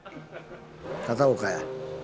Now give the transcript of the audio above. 片岡や。